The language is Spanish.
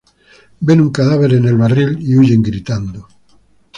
Ven un cadáver en el barril y huyen gritando.